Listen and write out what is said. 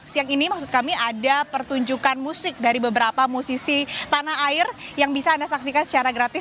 siang ini maksud kami ada pertunjukan musik dari beberapa musisi tanah air yang bisa anda saksikan secara gratis